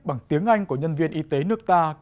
bằng tiếng anh của nhân viên y tế nước ta